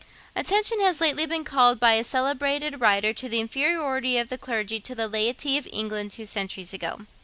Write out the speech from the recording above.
Attention has lately been called by a celebrated writer to the inferiority of the clergy to the laity of England two centuries ago.